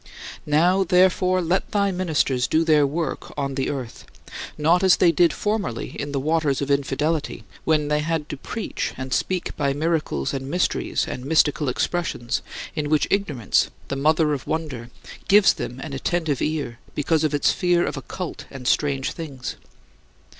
30. Now, therefore, let thy ministers do their work on "the earth" not as they did formerly in "the waters" of infidelity, when they had to preach and speak by miracles and mysteries and mystical expressions, in which ignorance the mother of wonder gives them an attentive ear because of its fear of occult and strange things.